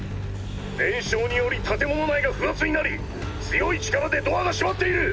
燃焼により建物内が負圧になり強い力でドアが閉まっている！